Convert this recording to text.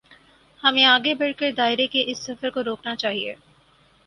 ہمیں آگے بڑھ کر دائرے کے اس سفر کو روکنا چاہیے۔